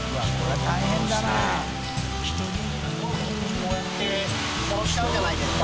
こうやって殺しちゃうじゃないですか。